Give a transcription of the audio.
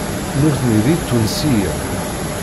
Nutni d Itunsiyen.